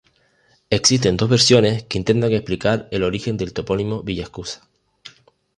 Existen dos versiones que intentan explicar el origen del topónimo Villaescusa.